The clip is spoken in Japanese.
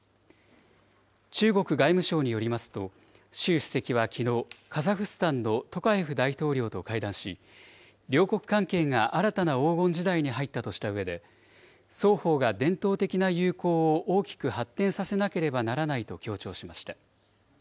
中国外務省によりますと、習主席はきのう、カザフスタンのトカエフ大統領と会談し、両国関係が新たな黄金時代に入ったとしたうえで、双方が伝統的な友好を大きく発展させなければならないと強調しました。